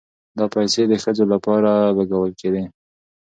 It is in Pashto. دا پيسې د ښوونځيو لپاره لګول کېدې.